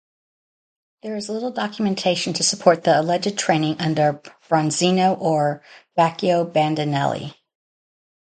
There is little documentation to support the alleged training under Bronzino or Baccio Bandinelli.